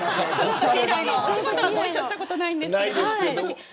お仕事はご一緒したことないんですけど。